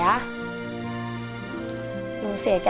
ขอบคุณมากครับ